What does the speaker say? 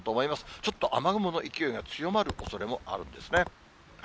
ちょっと雨雲の勢いが強まるおそれもあるんですね。